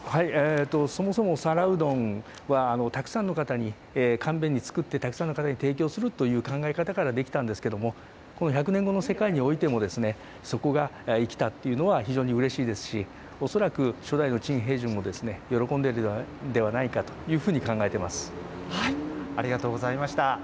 そもそも、皿うどんは、たくさんの方に簡便に作って、たくさんの方に提供するという考え方から出来たんですけれども、この１００年後の世界においても、そこが生きたっていうのは非常にうれしいですし、恐らく初代の陳平順も喜んでるんではないかというふうに考えていありがとうございました。